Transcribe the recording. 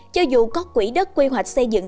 cho dù có quỹ đất quy hoạch xây dựng